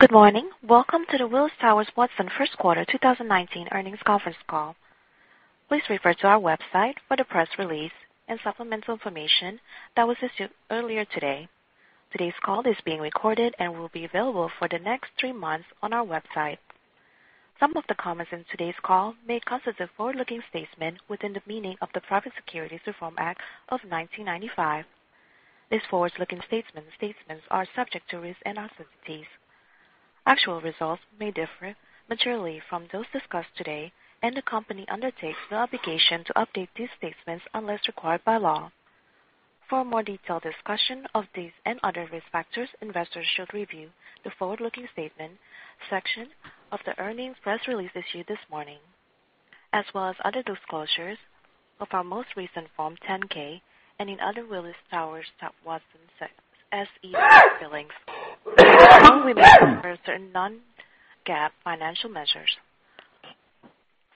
Good morning. Welcome to the Willis Towers Watson first quarter 2019 earnings conference call. Please refer to our website for the press release and supplemental information that was issued earlier today. Today's call is being recorded and will be available for the next three months on our website. Some of the comments in today's call may constitute forward-looking statements within the meaning of the Private Securities Litigation Reform Act of 1995. These forward-looking statements are subject to risks and uncertainties. Actual results may differ materially from those discussed today, and the company undertakes no obligation to update these statements unless required by law. For a more detailed discussion of these and other risk factors, investors should review the forward-looking statement section of the earnings press release issued this morning, as well as other disclosures of our most recent Form 10-K and in other Willis Towers Watson SEC filings. We may refer to certain non-GAAP financial measures.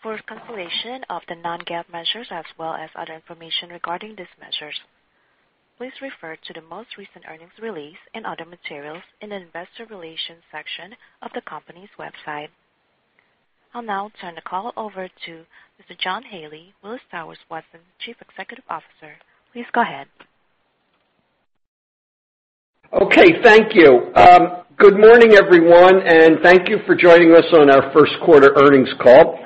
For a consideration of the non-GAAP measures as well as other information regarding these measures, please refer to the most recent earnings release and other materials in the investor relations section of the company's website. I'll now turn the call over to Mr. John Haley, Willis Towers Watson Chief Executive Officer. Please go ahead. Okay, thank you. Good morning, everyone, and thank you for joining us on our first quarter earnings call.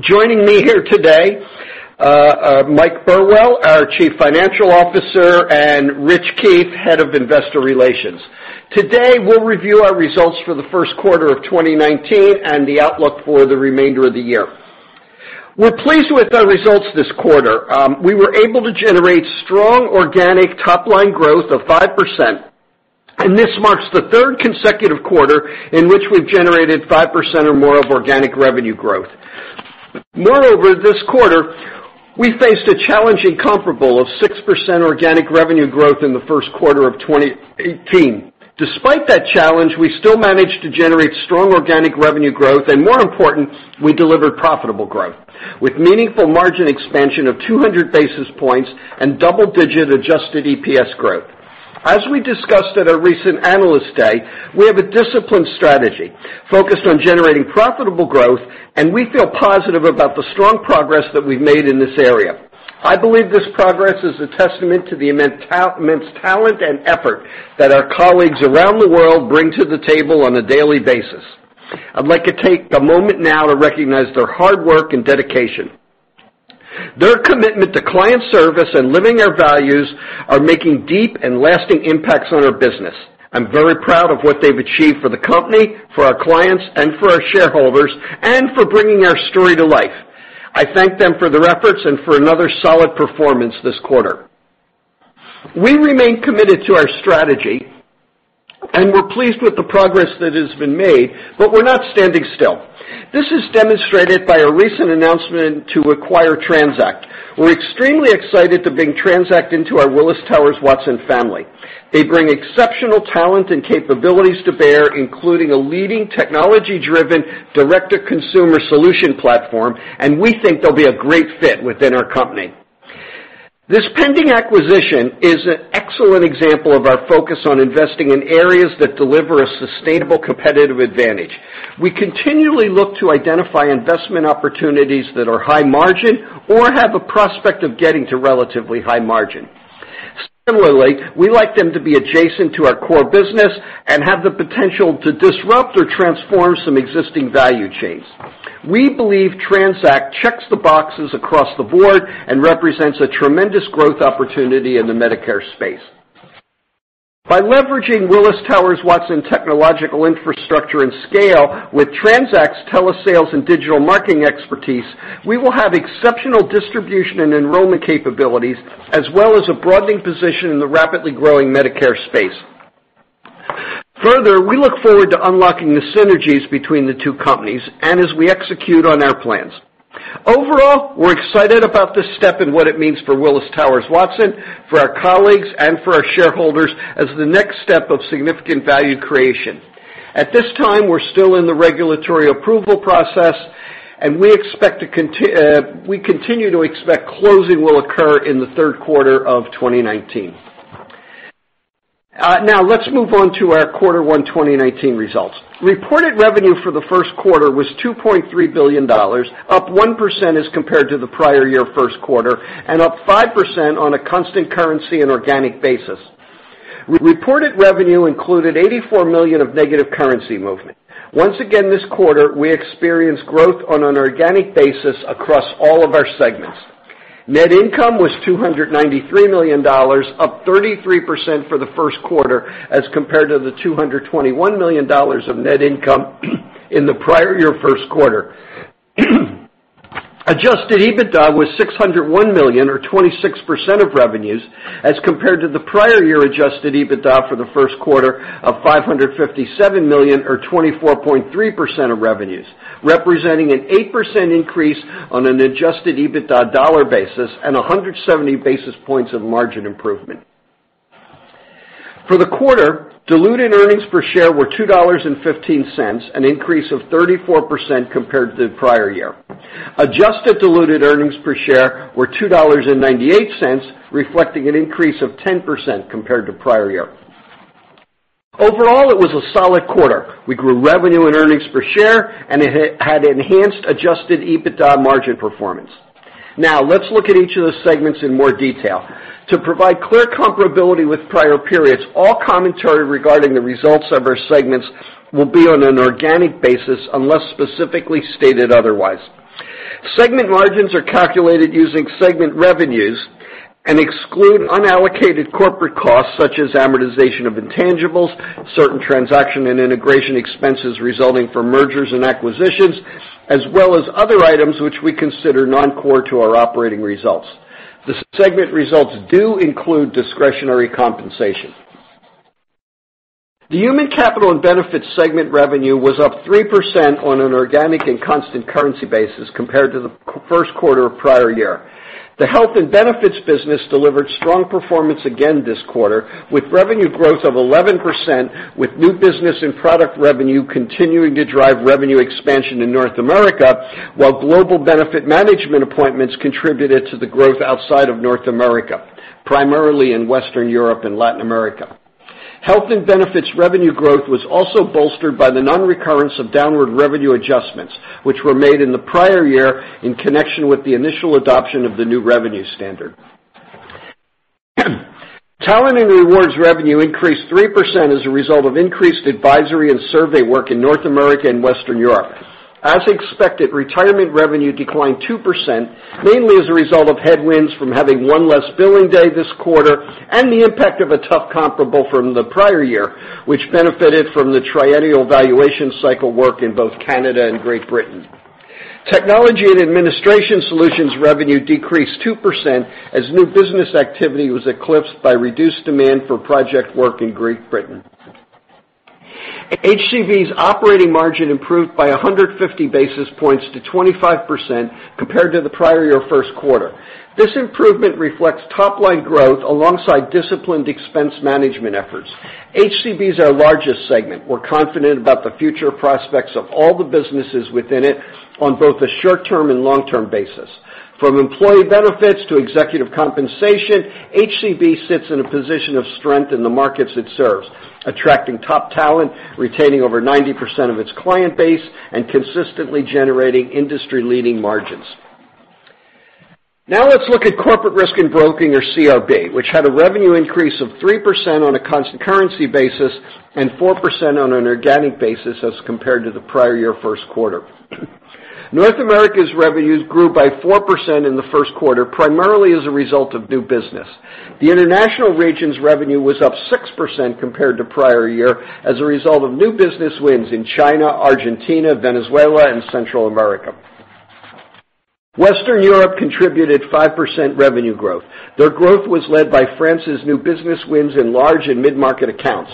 Joining me here today, Mike Burwell, our Chief Financial Officer, and Rich Keefe, Head of Investor Relations. Today, we'll review our results for the first quarter of 2019 and the outlook for the remainder of the year. We're pleased with our results this quarter. We were able to generate strong organic top-line growth of 5%, and this marks the third consecutive quarter in which we've generated 5% or more of organic revenue growth. Moreover, this quarter, we faced a challenging comparable of 6% organic revenue growth in the first quarter of 2018. Despite that challenge, we still managed to generate strong organic revenue growth, and more important, we delivered profitable growth with meaningful margin expansion of 200 basis points and double-digit adjusted EPS growth. As we discussed at our recent Analyst Day, we have a disciplined strategy focused on generating profitable growth. We feel positive about the strong progress that we've made in this area. I believe this progress is a testament to the immense talent and effort that our colleagues around the world bring to the table on a daily basis. I'd like to take a moment now to recognize their hard work and dedication. Their commitment to client service and living our values are making deep and lasting impacts on our business. I'm very proud of what they've achieved for the company, for our clients, and for our shareholders, for bringing our story to life. I thank them for their efforts and for another solid performance this quarter. We remain committed to our strategy, we're pleased with the progress that has been made, but we're not standing still. This is demonstrated by our recent announcement to acquire TRANZACT. We're extremely excited to bring TRANZACT into our Willis Towers Watson family. They bring exceptional talent and capabilities to bear, including a leading technology-driven direct-to-consumer solution platform, and we think they'll be a great fit within our company. This pending acquisition is an excellent example of our focus on investing in areas that deliver a sustainable competitive advantage. We continually look to identify investment opportunities that are high margin or have a prospect of getting to relatively high margin. Similarly, we like them to be adjacent to our core business and have the potential to disrupt or transform some existing value chains. We believe TRANZACT checks the boxes across the board and represents a tremendous growth opportunity in the Medicare space. By leveraging Willis Towers Watson technological infrastructure and scale with TRANZACT's telesales and digital marketing expertise, we will have exceptional distribution and enrollment capabilities as well as a broadening position in the rapidly growing Medicare space. We look forward to unlocking the synergies between the two companies and as we execute on our plans. We're excited about this step and what it means for Willis Towers Watson, for our colleagues, and for our shareholders as the next step of significant value creation. At this time, we're still in the regulatory approval process, and we continue to expect closing will occur in the third quarter of 2019. Let's move on to our quarter one 2019 results. Reported revenue for the first quarter was $2.3 billion, up 1% as compared to the prior year first quarter and up 5% on a constant currency and organic basis. Reported revenue included $84 million of negative currency movement. Once again, this quarter, we experienced growth on an organic basis across all of our segments. Net income was $293 million, up 33% for the first quarter as compared to the $221 million of net income in the prior year first quarter. Adjusted EBITDA was $601 million or 26% of revenues as compared to the prior year adjusted EBITDA for the first quarter of $557 million or 24.3% of revenues, representing an 8% increase on an adjusted EBITDA dollar basis and 170 basis points of margin improvement. For the quarter, diluted earnings per share were $2.15, an increase of 34% compared to the prior year. Adjusted diluted earnings per share were $2.98, reflecting an increase of 10% compared to prior year. It was a solid quarter. We grew revenue and earnings per share, and it had enhanced adjusted EBITDA margin performance. Let's look at each of the segments in more detail. To provide clear comparability with prior periods, all commentary regarding the results of our segments will be on an organic basis unless specifically stated otherwise. Segment margins are calculated using segment revenues and exclude unallocated corporate costs such as amortization of intangibles, certain transaction and integration expenses resulting from mergers and acquisitions, as well as other items which we consider non-core to our operating results. The segment results do include discretionary compensation. The Human Capital & Benefits segment revenue was up 3% on an organic and constant currency basis compared to the first quarter of prior year. The Health & Benefits business delivered strong performance again this quarter with revenue growth of 11%, with new business and product revenue continuing to drive revenue expansion in North America, while global benefit management appointments contributed to the growth outside of North America, primarily in Western Europe and Latin America. Health & Benefits revenue growth was also bolstered by the non-recurrence of downward revenue adjustments, which were made in the prior year in connection with the initial adoption of the new revenue standard. Talent & Rewards revenue increased 3% as a result of increased advisory and survey work in North America and Western Europe. As expected, retirement revenue declined 2%, mainly as a result of headwinds from having one less billing day this quarter and the impact of a tough comparable from the prior year, which benefited from the triennial valuation cycle work in both Canada and Great Britain. Technology & Administration Solutions revenue decreased 2% as new business activity was eclipsed by reduced demand for project work in Great Britain. HCB's operating margin improved by 150 basis points to 25% compared to the prior year first quarter. This improvement reflects top-line growth alongside disciplined expense management efforts. HCB is our largest segment. We're confident about the future prospects of all the businesses within it on both a short-term and long-term basis. From employee benefits to executive compensation, HCB sits in a position of strength in the markets it serves, attracting top talent, retaining over 90% of its client base, and consistently generating industry-leading margins. Now let's look at Corporate Risk & Broking or CRB, which had a revenue increase of 3% on a constant currency basis and 4% on an organic basis as compared to the prior year first quarter. North America's revenues grew by 4% in the first quarter, primarily as a result of new business. The international region's revenue was up 6% compared to prior year as a result of new business wins in China, Argentina, Venezuela, and Central America. Western Europe contributed 5% revenue growth. Their growth was led by France's new business wins in large and mid-market accounts.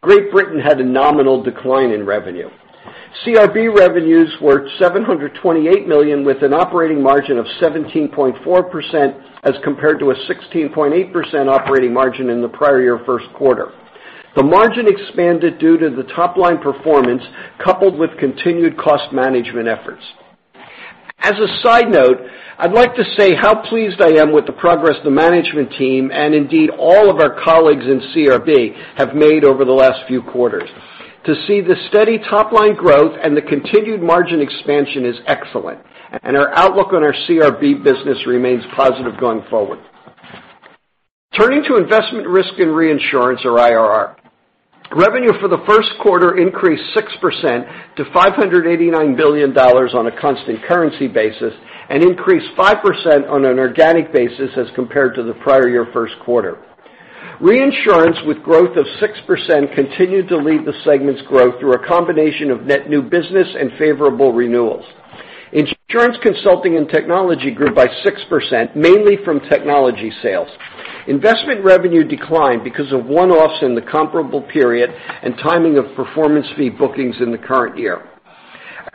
Great Britain had a nominal decline in revenue. CRB revenues were $728 million, with an operating margin of 17.4%, as compared to a 16.8% operating margin in the prior year first quarter. The margin expanded due to the top-line performance, coupled with continued cost management efforts. As a side note, I'd like to say how pleased I am with the progress the management team, and indeed all of our colleagues in CRB, have made over the last few quarters. To see the steady top-line growth and the continued margin expansion is excellent. Our outlook on our CRB business remains positive going forward. Turning to Investment, Risk & Reinsurance, or IRR. Revenue for the first quarter increased 6% to $589 million on a constant currency basis. Increased 5% on an organic basis as compared to the prior year first quarter. Reinsurance, with growth of 6%, continued to lead the segment's growth through a combination of net new business and favorable renewals. Insurance Consulting & Technology grew by 6%, mainly from technology sales. Investment revenue declined because of one-offs in the comparable period and timing of performance fee bookings in the current year.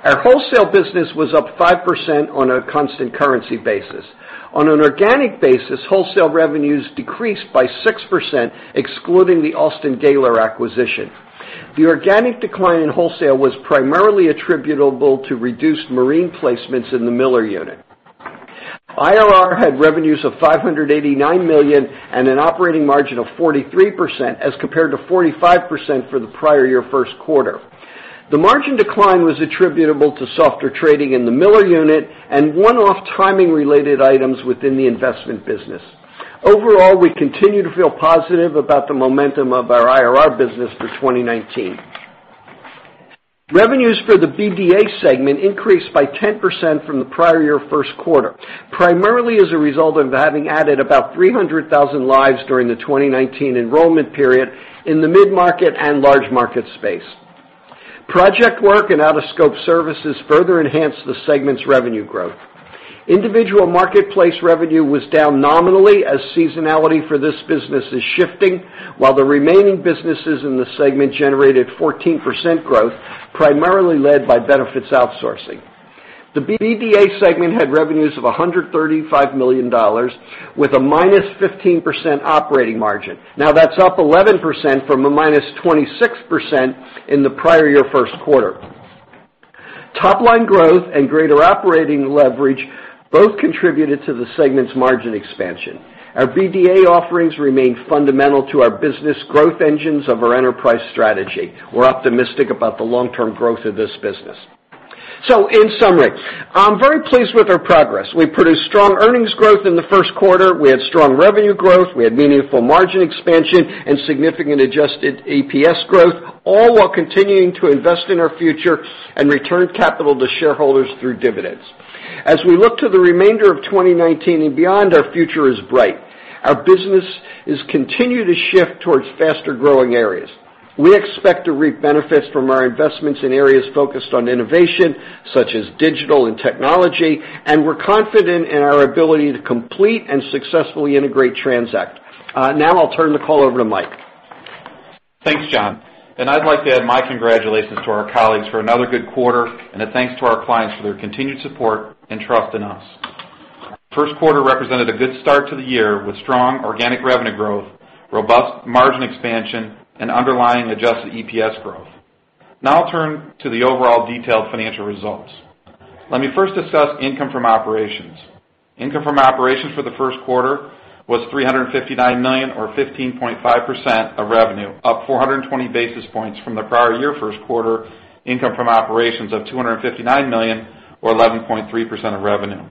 Our wholesale business was up 5% on a constant currency basis. On an organic basis, wholesale revenues decreased by 6%, excluding the Alston Gayler acquisition. The organic decline in wholesale was primarily attributable to reduced marine placements in the Miller unit. IRR had revenues of $589 million and an operating margin of 43%, as compared to 45% for the prior year first quarter. The margin decline was attributable to softer trading in the Miller unit and one-off timing related items within the investment business. Overall, we continue to feel positive about the momentum of our IRR business for 2019. Revenues for the BDA segment increased by 10% from the prior year first quarter, primarily as a result of having added about 300,000 lives during the 2019 enrollment period in the mid-market and large market space. Project work and out-of-scope services further enhanced the segment's revenue growth. Individual marketplace revenue was down nominally as seasonality for this business is shifting, while the remaining businesses in the segment generated 14% growth, primarily led by benefits outsourcing. The BDA segment had revenues of $135 million with a minus 15% operating margin. That's up 11% from a minus 26% in the prior year first quarter. Top line growth and greater operating leverage both contributed to the segment's margin expansion. Our BDA offerings remain fundamental to our business growth engines of our enterprise strategy. We're optimistic about the long-term growth of this business. In summary, I'm very pleased with our progress. We produced strong earnings growth in the first quarter. We had strong revenue growth, we had meaningful margin expansion and significant adjusted EPS growth, all while continuing to invest in our future and return capital to shareholders through dividends. As we look to the remainder of 2019 and beyond, our future is bright. Our business is continuing to shift towards faster-growing areas. We expect to reap benefits from our investments in areas focused on innovation such as digital and technology, and we're confident in our ability to complete and successfully integrate TRANZACT. I'll turn the call over to Mike. Thanks, John. I'd like to add my congratulations to our colleagues for another good quarter and a thanks to our clients for their continued support and trust in us. First quarter represented a good start to the year with strong organic revenue growth, robust margin expansion, and underlying adjusted EPS growth. I'll turn to the overall detailed financial results. Let me first discuss income from operations. Income from operations for the first quarter was $359 million, or 15.5% of revenue, up 420 basis points from the prior year first quarter income from operations of $259 million, or 11.3% of revenue.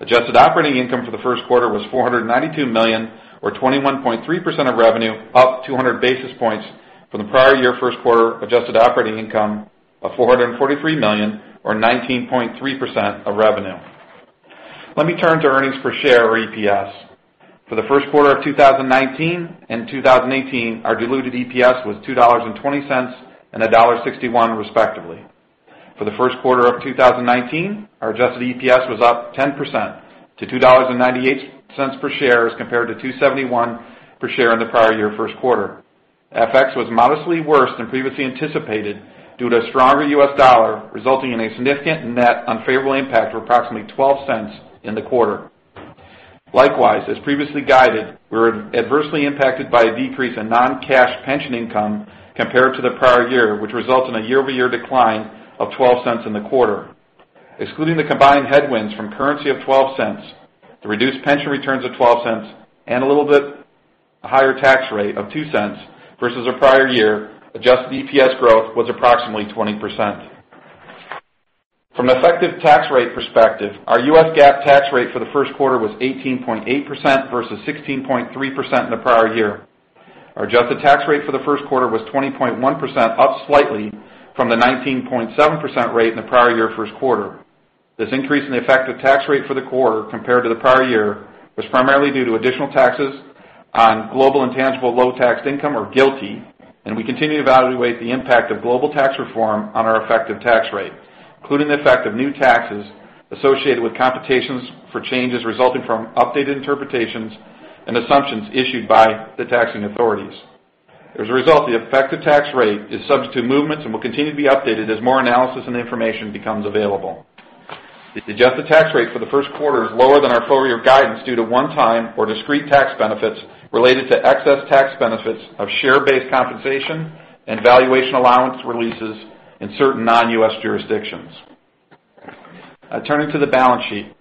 Adjusted operating income for the first quarter was $492 million, or 21.3% of revenue, up 200 basis points from the prior year first quarter adjusted operating income of $443 million or 19.3% of revenue. Let me turn to earnings per share or EPS. For the first quarter of 2019 and 2018, our diluted EPS was $2.20 and $1.61 respectively. For the first quarter of 2019, our adjusted EPS was up 10% to $2.98 per share as compared to $2.71 per share in the prior year first quarter. FX was modestly worse than previously anticipated due to a stronger U.S. dollar, resulting in a significant net unfavorable impact of approximately $0.12 in the quarter. Likewise, as previously guided, we were adversely impacted by a decrease in non-cash pension income compared to the prior year, which results in a year-over-year decline of $0.12 in the quarter. Excluding the combined headwinds from currency of $0.12, the reduced pension returns of $0.12, and a little bit higher tax rate of $0.02 versus the prior year, adjusted EPS growth was approximately 20%. From an effective tax rate perspective, our U.S. GAAP tax rate for the first quarter was 18.8% versus 16.3% in the prior year. Our adjusted tax rate for the first quarter was 20.1%, up slightly from the 19.7% rate in the prior year first quarter. This increase in the effective tax rate for the quarter compared to the prior year was primarily due to additional taxes on global intangible low-taxed income or GILTI. We continue to evaluate the impact of global tax reform on our effective tax rate, including the effect of new taxes associated with computations for changes resulting from updated interpretations and assumptions issued by the taxing authorities. As a result, the effective tax rate is subject to movements and will continue to be updated as more analysis and information becomes available. The adjusted tax rate for the first quarter is lower than our full-year guidance due to one-time or discrete tax benefits related to excess tax benefits of share-based compensation and valuation allowance releases in certain non-U.S. jurisdictions. Turning to the balance sheet,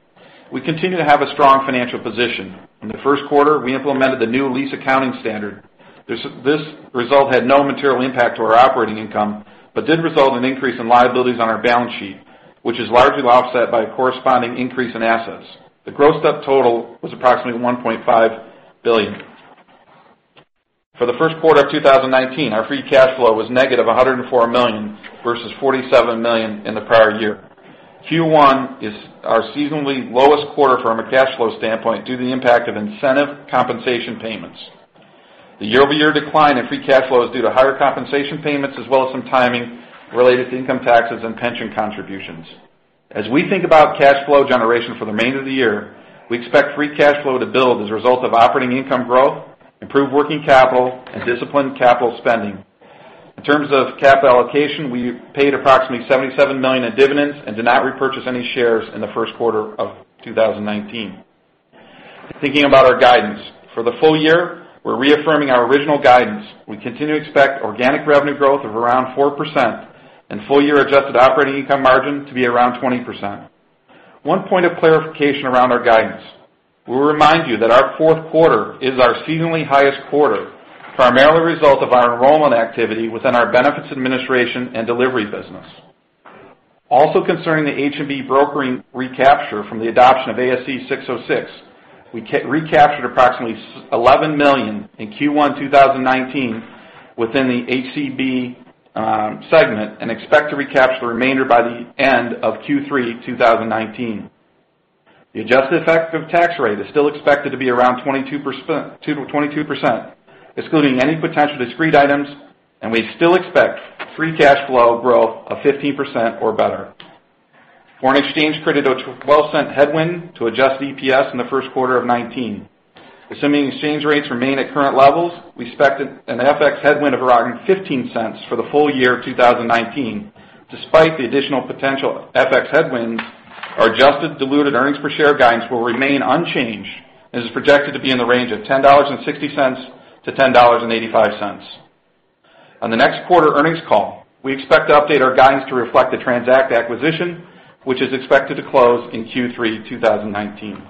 we continue to have a strong financial position. In the first quarter, we implemented the new lease accounting standard. This result had no material impact to our operating income but did result in an increase in liabilities on our balance sheet, which is largely offset by a corresponding increase in assets. The grossed-up total was approximately $1.5 billion. For the first quarter of 2019, our free cash flow was negative $104 million versus $47 million in the prior year. Q1 is our seasonally lowest quarter from a cash flow standpoint due to the impact of incentive compensation payments. The year-over-year decline in free cash flow is due to higher compensation payments as well as some timing related to income taxes and pension contributions. As we think about cash flow generation for the remainder of the year, we expect free cash flow to build as a result of operating income growth, improved working capital, and disciplined capital spending. In terms of capital allocation, we paid approximately $77 million in dividends and did not repurchase any shares in the first quarter of 2019. Thinking about our guidance. For the full year, we're reaffirming our original guidance. We continue to expect organic revenue growth of around 4% and full-year adjusted operating income margin to be around 20%. One point of clarification around our guidance. We remind you that our fourth quarter is our seasonally highest quarter, primarily a result of our enrollment activity within our benefits administration and delivery business. Concerning the H&B brokering recapture from the adoption of ASC 606, we recaptured approximately $11 million in Q1 2019 within the HCB segment and expect to recapture the remainder by the end of Q3 2019. The adjusted effective tax rate is still expected to be around 22%, excluding any potential discrete items, and we still expect free cash flow growth of 15% or better. Foreign exchange created a $0.12 headwind to adjusted EPS in the first quarter of 2019. Assuming exchange rates remain at current levels, we expect an FX headwind of around $0.15 for the full year of 2019, despite the additional potential FX headwinds. Our adjusted diluted earnings per share guidance will remain unchanged and is projected to be in the range of $10.60-$10.85. On the next quarter earnings call, we expect to update our guidance to reflect the TRANZACT acquisition, which is expected to close in Q3 2019.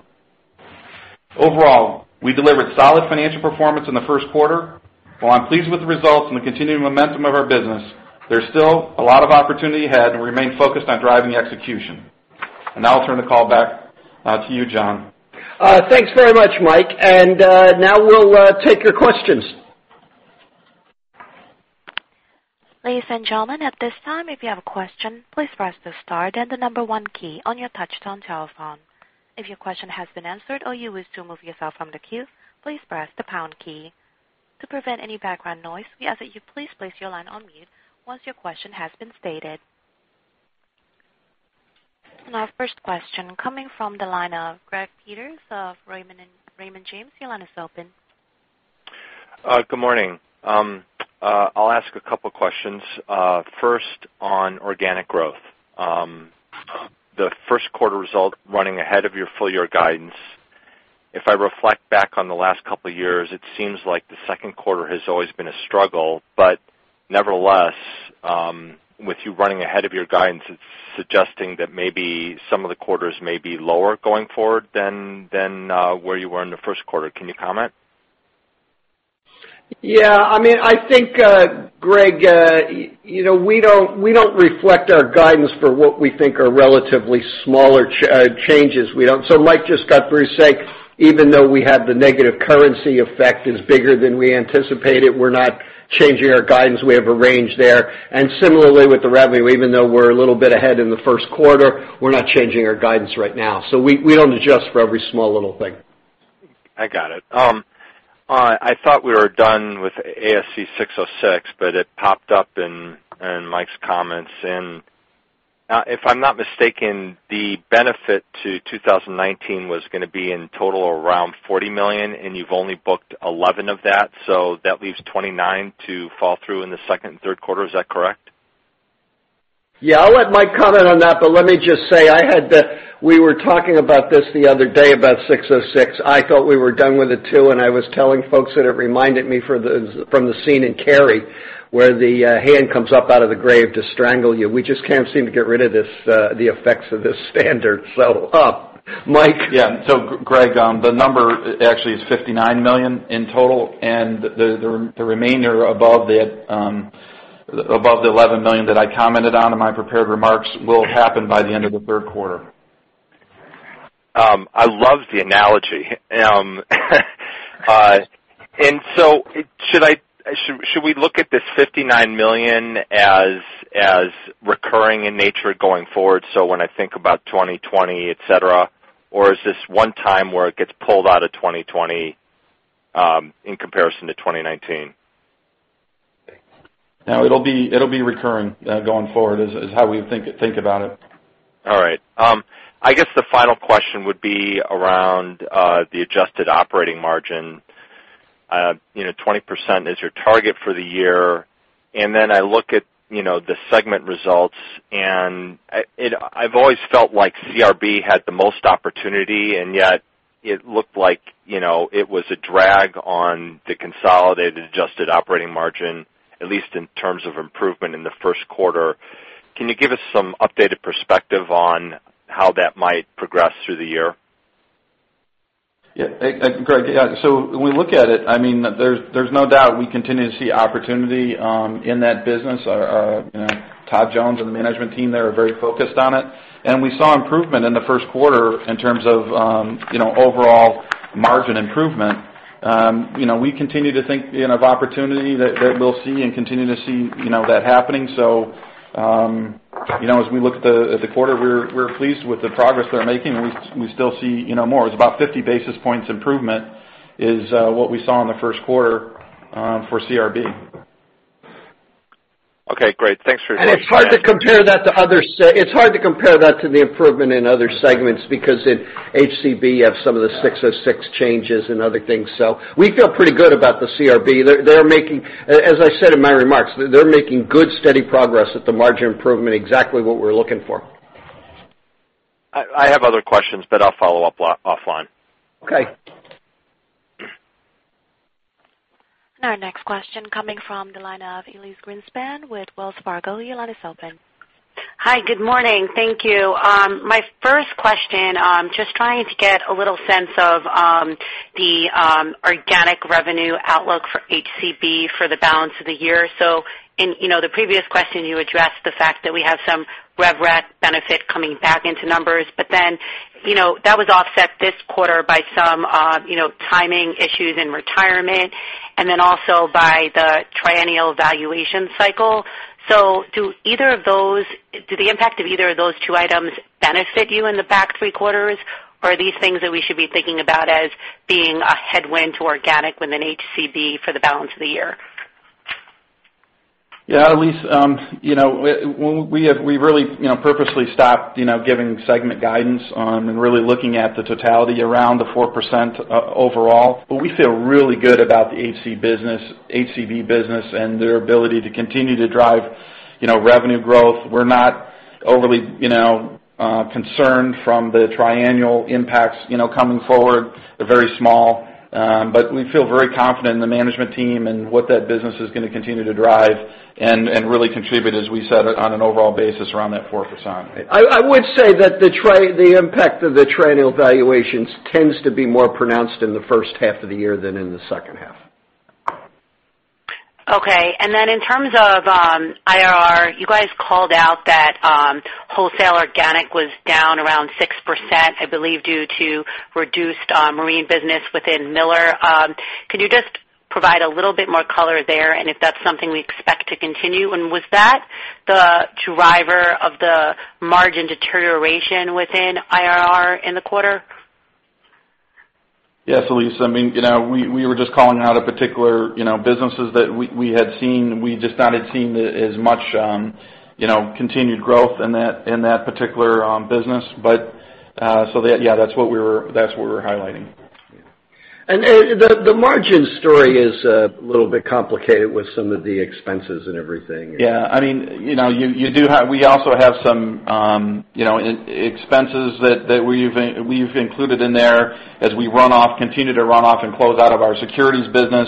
Overall, we delivered solid financial performance in the first quarter. While I'm pleased with the results and the continuing momentum of our business, there's still a lot of opportunity ahead, and we remain focused on driving execution. Now I'll turn the call back to you, John. Thanks very much, Mike. Now we'll take your questions. Ladies and gentlemen, at this time, if you have a question, please press the star then the 1 key on your touchtone telephone. If your question has been answered or you wish to remove yourself from the queue, please press the pound key. To prevent any background noise, we ask that you please place your line on mute once your question has been stated. Our first question coming from the line of Greg Peters of Raymond James. Your line is open. Good morning. I'll ask a couple questions. First, on organic growth. The first quarter result running ahead of your full-year guidance. If I reflect back on the last couple of years, it seems like the second quarter has always been a struggle, but nevertheless, with you running ahead of your guidance, it's suggesting that maybe some of the quarters may be lower going forward than where you were in the first quarter. Can you comment? Yeah. I think, Greg, we don't reflect our guidance for what we think are relatively smaller changes. Mike just got through saying, even though we had the negative currency effect is bigger than we anticipated, we're not changing our guidance. We have a range there. Similarly, with the revenue, even though we're a little bit ahead in the first quarter, we're not changing our guidance right now. We don't adjust for every small little thing. I got it. I thought we were done with ASC 606, but it popped up in Mike's comments, and if I'm not mistaken, the benefit to 2019 was going to be in total around $40 million, and you've only booked 11 of that, so that leaves 29 to fall through in the second and third quarter. Is that correct? Yeah, I'll let Mike comment on that, but let me just say, we were talking about this the other day, about 606. I thought we were done with it, too, and I was telling folks that it reminded me from the scene in "Carrie" where the hand comes up out of the grave to strangle you. We just can't seem to get rid of the effects of this standard. Mike? Yeah. Greg, the number actually is $59 million in total, the remainder above the $11 million that I commented on in my prepared remarks will happen by the end of the third quarter. I love the analogy. Should we look at this $59 million as recurring in nature going forward, so when I think about 2020, et cetera? Is this one time where it gets pulled out of 2020, in comparison to 2019? No, it'll be recurring, going forward, is how we think about it. All right. I guess the final question would be around the adjusted operating margin. 20% is your target for the year, I look at the segment results, I've always felt like CRB had the most opportunity, yet it looked like it was a drag on the consolidated adjusted operating margin, at least in terms of improvement in the first quarter. Can you give us some updated perspective on how that might progress through the year? Yeah. Greg, when we look at it, there's no doubt we continue to see opportunity in that business. Todd Jones and the management team there are very focused on it. We saw improvement in the first quarter in terms of overall margin improvement. We continue to think of opportunity that we'll see and continue to see that happening. As we look at the quarter, we're pleased with the progress they're making, and we still see more. It's about 50 basis points improvement is what we saw in the first quarter for CRB. Okay, great. Thanks for your time. It's hard to compare that to the improvement in other segments because in HCB you have some of the 606 changes and other things. We feel pretty good about the CRB. As I said in my remarks, they're making good, steady progress at the margin improvement, exactly what we're looking for. I have other questions, but I'll follow up offline. Okay. Our next question coming from the line of Elyse Greenspan with Wells Fargo. Your line is open. Hi, good morning. Thank you. My first question, just trying to get a little sense of the organic revenue outlook for HCB for the balance of the year. In the previous question, you addressed the fact that we have some rev rec benefit coming back into numbers, that was offset this quarter by some timing issues in retirement also by the triennial valuation cycle. Do the impact of either of those two items benefit you in the back three quarters? Or are these things that we should be thinking about as being a headwind to organic within HCB for the balance of the year? Yeah, Elyse, we really purposely stopped giving segment guidance and really looking at the totality around the 4% overall. We feel really good about the HCB business and their ability to continue to drive revenue growth. We're not overly concerned from the triennial impacts coming forward. They're very small. We feel very confident in the management team and what that business is going to continue to drive and really contribute, as we said, on an overall basis around that 4%. I would say that the impact of the triennial valuations tends to be more pronounced in the first half of the year than in the second half. Okay. In terms of IRR, you guys called out that wholesale organic was down around 6%, I believe, due to reduced marine business within Miller. Can you just provide a little bit more color there, and if that's something we expect to continue, and was that the driver of the margin deterioration within IRR in the quarter? Yes, Elyse. We were just calling out a particular businesses that we had seen. We just not had seen as much continued growth in that particular business. Yeah, that's what we were highlighting. The margin story is a little bit complicated with some of the expenses and everything. Yeah. We also have some expenses that we've included in there as we continue to run off and close out of our securities business,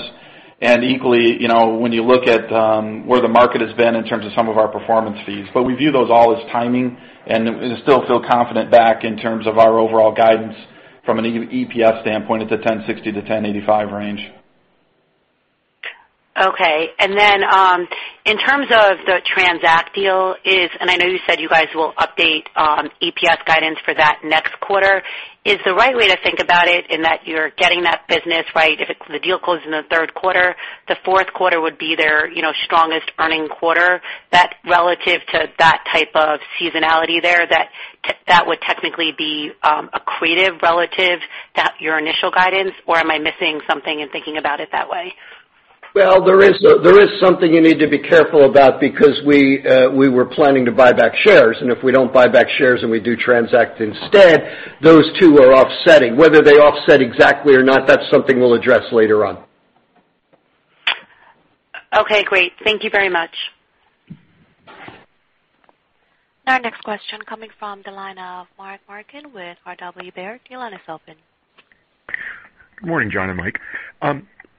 and equally, when you look at where the market has been in terms of some of our performance fees. We view those all as timing, and still feel confident back in terms of our overall guidance from an EPS standpoint at the $10.60-$10.85 range. Okay. In terms of the TRANZACT deal is, I know you said you guys will update EPS guidance for that next quarter. Is the right way to think about it in that you're getting that business, if the deal closes in the third quarter, the fourth quarter would be their strongest earning quarter. That relative to that type of seasonality there, that would technically be accretive relative to your initial guidance, or am I missing something in thinking about it that way? Well, there is something you need to be careful about because we were planning to buy back shares, if we don't buy back shares and we do TRANZACT instead, those two are offsetting. Whether they offset exactly or not, that's something we'll address later on. Okay, great. Thank you very much. Our next question coming from the line of Mark Marcon with RW Baird. Your line is open. Good morning, John and Mike.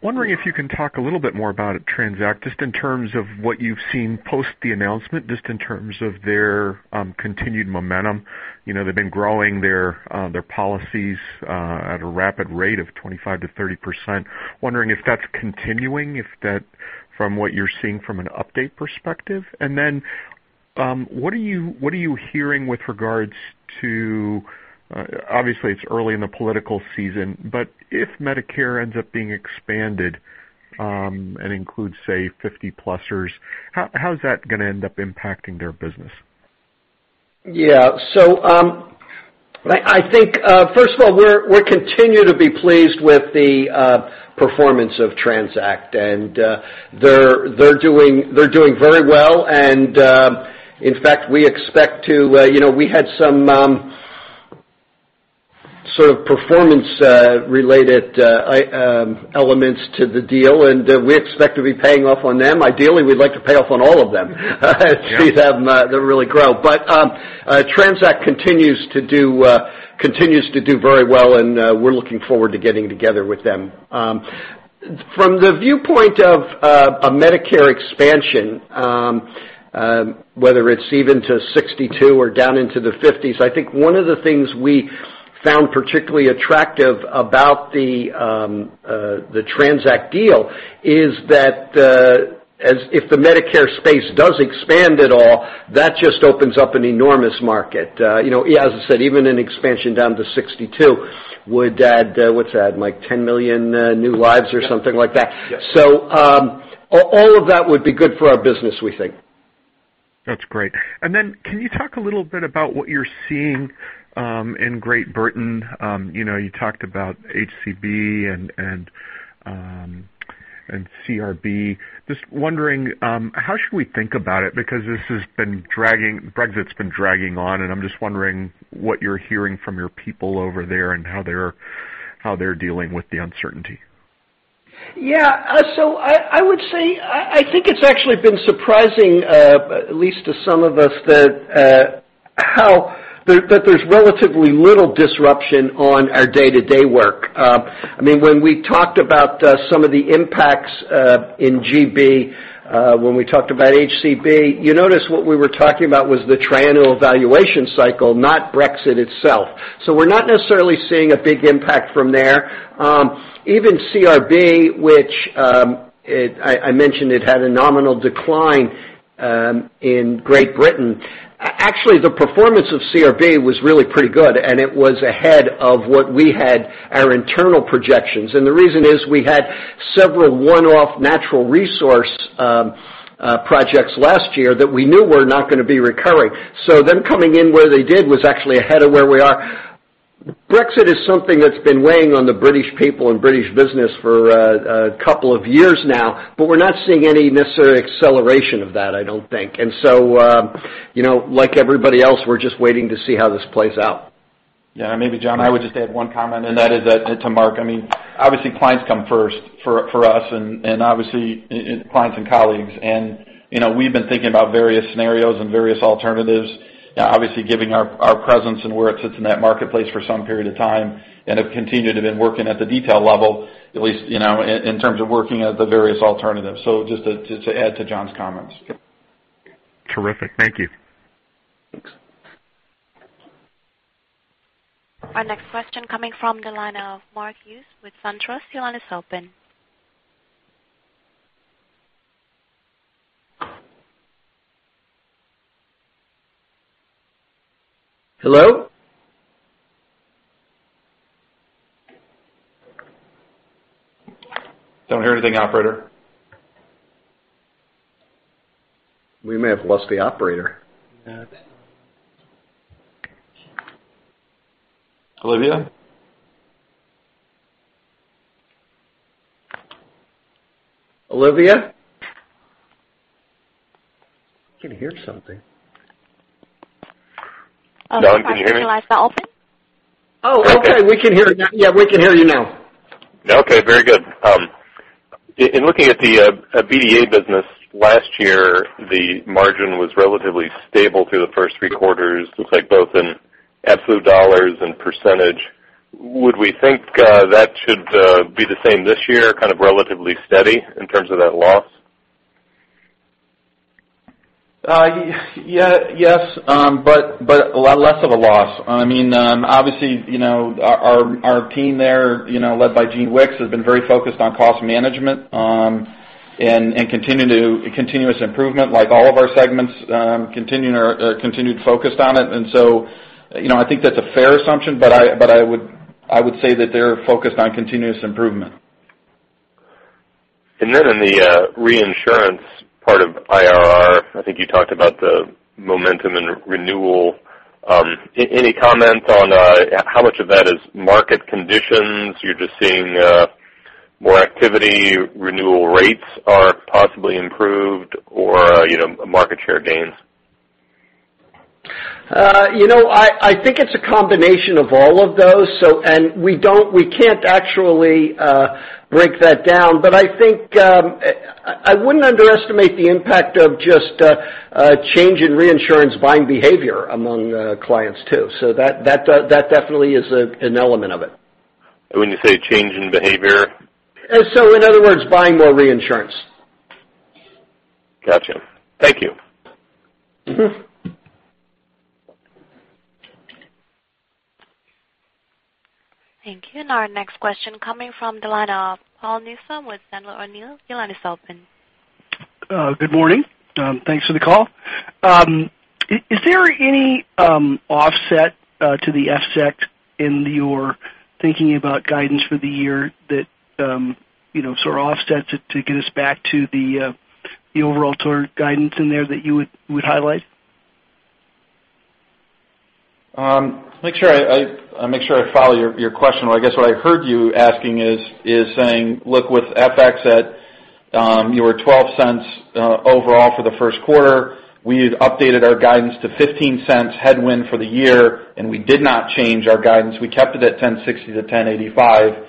Wondering if you can talk a little bit more about TRANZACT, just in terms of what you've seen post the announcement, just in terms of their continued momentum. They've been growing their policies at a rapid rate of 25%-30%. Wondering if that's continuing, from what you're seeing from an update perspective. What are you hearing with regards to, obviously it's early in the political season, but if Medicare ends up being expanded, and includes, say, 50 plussers, how's that going to end up impacting their business? Yeah. I think, first of all, we continue to be pleased with the performance of TRANZACT. They're doing very well. In fact, we had some sort of performance related elements to the deal, and we expect to be paying off on them. Ideally, we'd like to pay off on all of them. Yeah. See them really grow. TRANZACT continues to do very well, and we're looking forward to getting together with them. From the viewpoint of a Medicare expansion, whether it's even to 62 or down into the 50s, I think one of the things we found particularly attractive about the TRANZACT deal is that, if the Medicare space does expand at all, that just opens up an enormous market. As I said, even an expansion down to 62 would add, what's that, like 10 million new lives or something like that. Yes. All of that would be good for our business, we think. That's great. Can you talk a little bit about what you're seeing in Great Britain? You talked about HCB and CRB. Just wondering, how should we think about it? Because Brexit's been dragging on, and I'm just wondering what you're hearing from your people over there and how they're dealing with the uncertainty. Yeah. I would say, I think it's actually been surprising, at least to some of us, that there's relatively little disruption on our day-to-day work. When we talked about some of the impacts in GB, when we talked about HCB, you notice what we were talking about was the triannual evaluation cycle, not Brexit itself. We're not necessarily seeing a big impact from there. Even CRB, which I mentioned it had a nominal decline in Great Britain. Actually, the performance of CRB was really pretty good, and it was ahead of what we had our internal projections. The reason is we had several one-off natural resource projects last year that we knew were not going to be recurring. Them coming in where they did was actually ahead of where we are. Brexit is something that's been weighing on the British people and British business for a couple of years now, but we're not seeing any necessary acceleration of that, I don't think. Like everybody else, we're just waiting to see how this plays out. Yeah. Maybe, John, I would just add one comment, and that is that to Mark. Obviously, clients come first for us, and obviously clients and colleagues. We've been thinking about various scenarios and various alternatives, obviously given our presence and where it sits in that marketplace for some period of time, and have continued to been working at the detail level, at least in terms of working at the various alternatives. Just to add to John's comments. Terrific. Thank you. Thanks. Our next question coming from the line of Mark Hughes with SunTrust. Your line is open. Hello? Don't hear anything, operator. We may have lost the operator. Yeah. Olivia? Olivia? I can hear something. Oh, sorry. You guys fell off. Oh, okay. We can hear you now. Yeah, we can hear you now. Okay. Very good. In looking at the BDA business, last year, the margin was relatively stable through the first three quarters, looks like both in absolute dollars and percentage. Would we think that should be the same this year, kind of relatively steady in terms of that loss? Yes, but a lot less of a loss. Obviously, our team there, led by Gene Wickes, has been very focused on cost management and continuous improvement, like all of our segments, continued focused on it. I think that's a fair assumption, but I would say that they're focused on continuous improvement. In the reinsurance part of IRR, I think you talked about the momentum and renewal. Any comments on how much of that is market conditions, you're just seeing more activity, renewal rates are possibly improved or market share gains? I think it's a combination of all of those. We can't actually break that down, but I think I wouldn't underestimate the impact of just a change in reinsurance buying behavior among clients, too. That definitely is an element of it. When you say change in behavior? In other words, buying more reinsurance. Got you. Thank you. Thank you. Our next question coming from the line of Paul Newsome with Sandler O'Neill. Your line is open. Good morning. Thanks for the call. Is there any offset to the FX in your thinking about guidance for the year that sort of offsets it to get us back to the overall sort of guidance in there that you would highlight? Make sure I follow your question. I guess what I heard you asking is saying, look, with FX at your $0.12 overall for the first quarter, we had updated our guidance to $0.15 headwind for the year. We did not change our guidance. We kept it at $10.60-$10.85.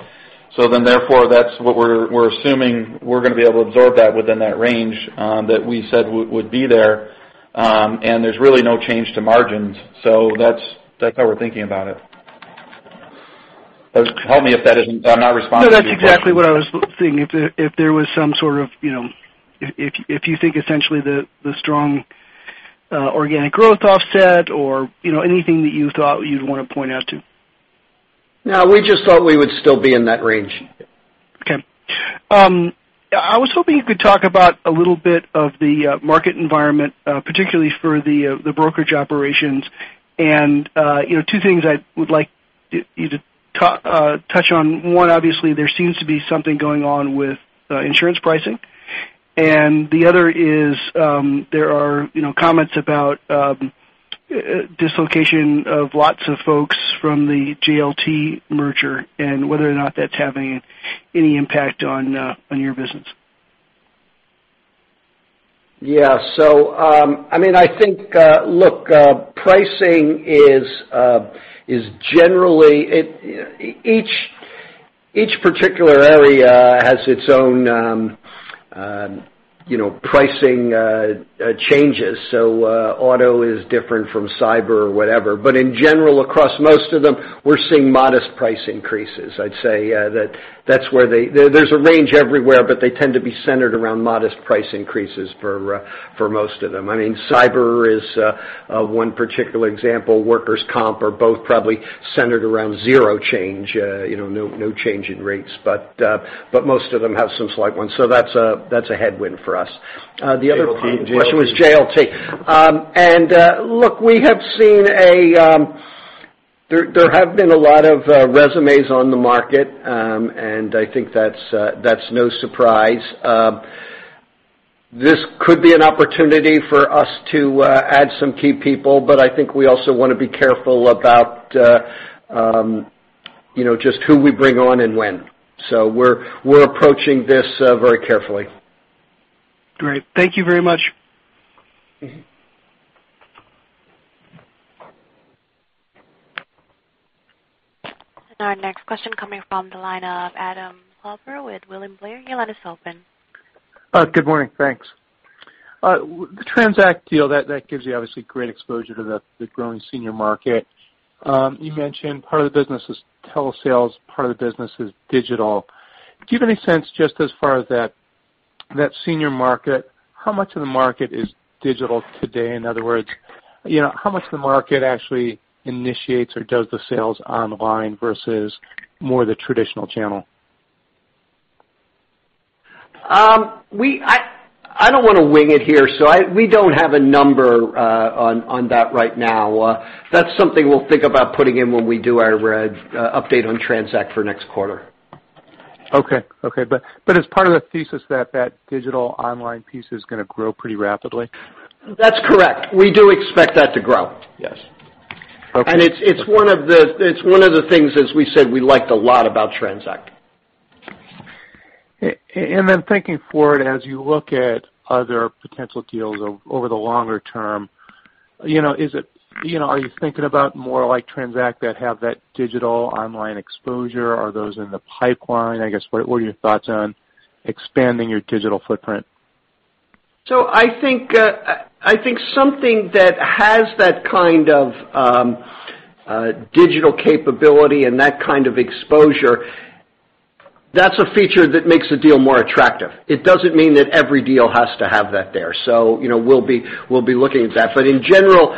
That's what we're assuming we're going to be able to absorb that within that range that we said would be there. There's really no change to margins. That's how we're thinking about it. Help me if I'm not responding to your question. No, that's exactly what I was thinking. If you think essentially the strong organic growth offset or anything that you thought you'd want to point out to. No, we just thought we would still be in that range. Okay. I was hoping you could talk about a little bit of the market environment, particularly for the brokerage operations. Two things I would like you to touch on. One, obviously, there seems to be something going on with insurance pricing. The other is there are comments about dislocation of lots of folks from the JLT merger and whether or not that's having any impact on your business. Yeah. I think, look, pricing is generally, each particular area has its own pricing changes. Auto is different from cyber or whatever. In general, across most of them, we're seeing modest price increases. I'd say there's a range everywhere, they tend to be centered around modest price increases for most of them. Cyber is one particular example. Workers' comp are both probably centered around zero change, no change in rates. Most of them have some slight ones. That's a headwind for us. The other part of the question was JLT. Look, there have been a lot of resumes on the market, and I think that's no surprise. This could be an opportunity for us to add some key people, I think we also want to be careful about just who we bring on and when. We're approaching this very carefully. Great. Thank you very much. Our next question coming from the line of Adam Holbert with William Blair, your line is open. Good morning. Thanks. The TRANZACT deal, that gives you obviously great exposure to the growing senior market. You mentioned part of the business is telesales, part of the business is digital. Do you have any sense, just as far as that senior market, how much of the market is digital today? In other words, how much of the market actually initiates or does the sales online versus more the traditional channel? I don't want to wing it here. We don't have a number on that right now. That's something we'll think about putting in when we do our update on TRANZACT for next quarter. Okay. It's part of the thesis that digital online piece is going to grow pretty rapidly? That's correct. We do expect that to grow. Yes. Okay. It's one of the things, as we said, we liked a lot about TRANZACT. Thinking forward, as you look at other potential deals over the longer term, are you thinking about more like TRANZACT that have that digital online exposure? Are those in the pipeline? I guess, what are your thoughts on expanding your digital footprint? I think something that has that kind of digital capability and that kind of exposure, that's a feature that makes the deal more attractive. It doesn't mean that every deal has to have that there. We'll be looking at that. In general,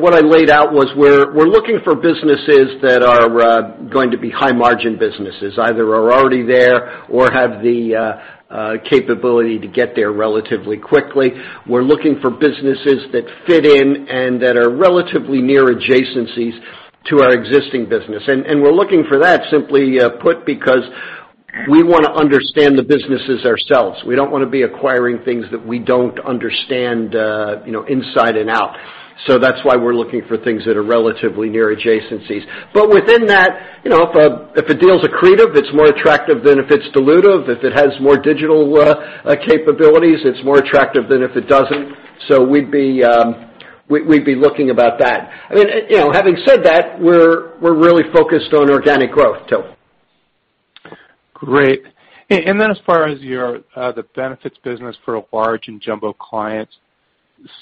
what I laid out was we're looking for businesses that are going to be high margin businesses, either are already there or have the capability to get there relatively quickly. We're looking for businesses that fit in and that are relatively near adjacencies to our existing business. We're looking for that simply put, because we want to understand the businesses ourselves. We don't want to be acquiring things that we don't understand inside and out. That's why we're looking for things that are relatively near adjacencies. Within that, if a deal is accretive, it's more attractive than if it's dilutive. If it has more digital capabilities, it's more attractive than if it doesn't. We'd be looking about that. Having said that, we're really focused on organic growth, too. Great. As far as the benefits business for large and jumbo clients,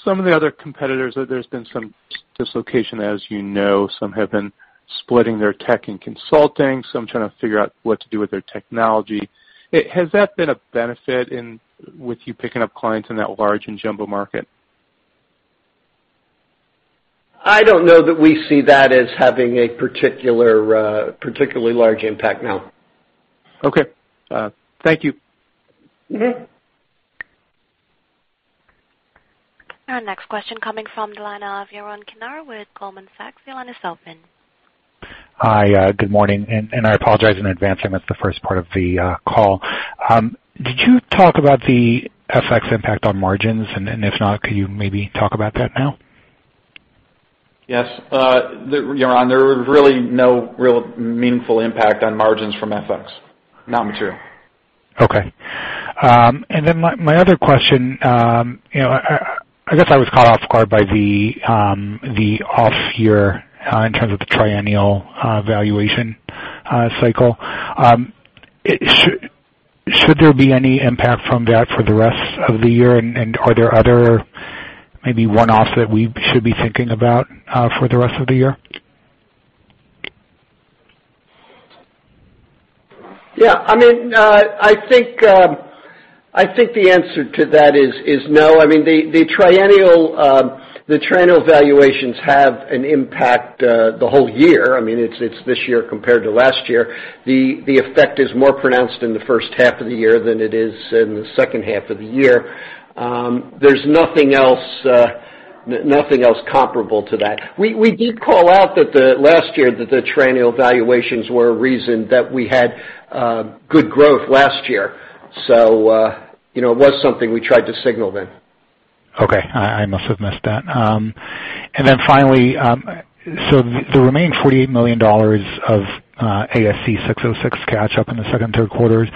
some of the other competitors, there's been some dislocation, as you know. Some have been splitting their tech and consulting, some trying to figure out what to do with their technology. Has that been a benefit with you picking up clients in that large and jumbo market? I don't know that we see that as having a particularly large impact, no. Okay. Thank you. Our next question coming from the line of Yaron Kinar with Goldman Sachs. Your line is open. Hi, good morning. I apologize in advance. I missed the first part of the call. Did you talk about the FX impact on margins? If not, could you maybe talk about that now? Yes. Yaron, there was really no real meaningful impact on margins from FX, not material. Okay. My other question, I guess I was caught off guard by the off year in terms of the triennial valuation cycle. Should there be any impact from that for the rest of the year? Are there other maybe one-offs that we should be thinking about for the rest of the year? I think the answer to that is no. The triennial valuations have an impact the whole year. It's this year compared to last year. The effect is more pronounced in the first half of the year than it is in the second half of the year. There's nothing else comparable to that. We did call out that the last year that the triennial valuations were a reason that we had good growth last year. It was something we tried to signal then. Okay. I must have missed that. Finally, the remaining $48 million of ASC 606 catch-up in the second and third quarters,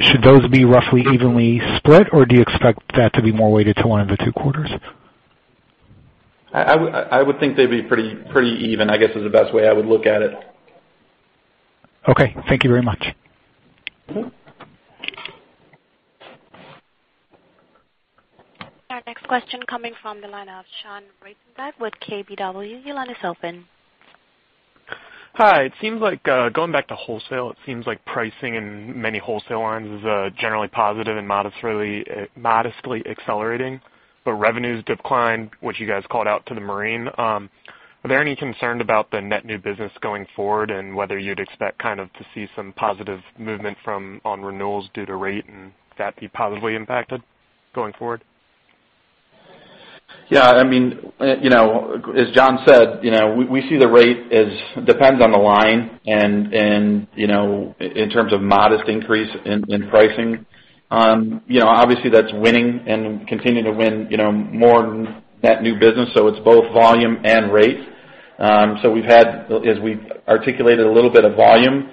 should those be roughly evenly split, or do you expect that to be more weighted to one of the two quarters? I would think they'd be pretty even, I guess is the best way I would look at it. Okay. Thank you very much. Our next question coming from the line of Sean Reitenbach with KBW. Your line is open. Hi. Going back to wholesale, it seems like pricing in many wholesale lines is generally positive and modestly accelerating. Revenues declined, which you guys called out to the marine. Are there any concerns about the net new business going forward and whether you'd expect to see some positive movement from on renewals due to rate and that be positively impacted going forward? Yeah. As John said, we see the rate as depends on the line and in terms of modest increase in pricing. Obviously that's winning and continuing to win more net new business. It's both volume and rate. We've had, as we've articulated, a little bit of volume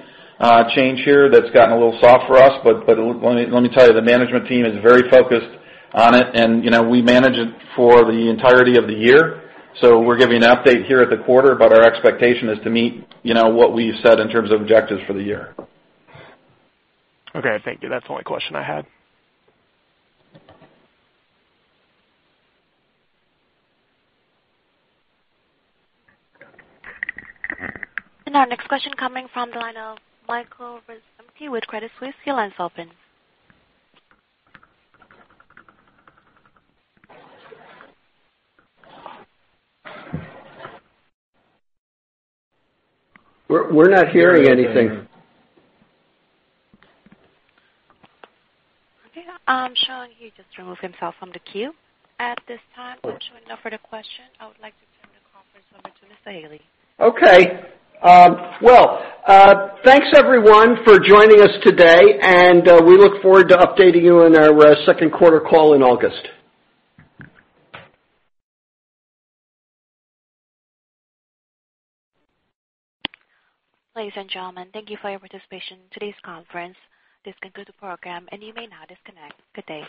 change here that's gotten a little soft for us. Let me tell you, the management team is very focused on it, and we manage it for the entirety of the year. We're giving an update here at the quarter, our expectation is to meet what we've said in terms of objectives for the year. Okay, thank you. That's the only question I had. Our next question coming from the line of Michael Razumny with Credit Suisse, your line is open. We're not hearing anything. Okay. Sean, he just removed himself from the queue. At this time, since you have no further question, I would like to turn the conference over to John Haley. Okay. Well, thanks everyone for joining us today, and we look forward to updating you on our second quarter call in August. Ladies and gentlemen, thank you for your participation in today's conference. This concludes the program, and you may now disconnect. Good day.